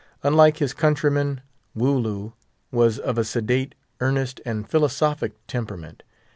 Unlike his countrymen, Wooloo was of a sedate, earnest, and philosophic temperament.